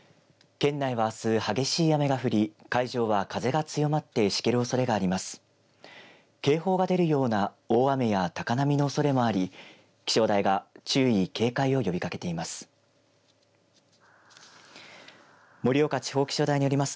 県内はあす激しい雨が降り海上は風が強まってしけるおそれがあります。